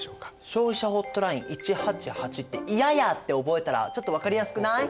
消費者ホットライン１８８って「いやや」って覚えたらちょっと分かりやすくない？